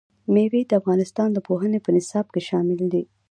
مېوې د افغانستان د پوهنې په نصاب کې شامل دي.